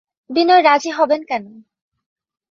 বিনয় রাজি হবেন কেন?